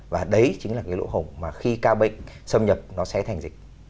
và đấy chính là cái lỗ hổng mà khi ca bệnh xâm nhập nó sẽ thành dịch